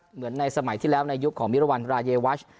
เหมือนในสมัยที่แล้วในยุคของมิรวรรณรายวัช